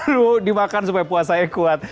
aduh dimakan supaya puasanya kuat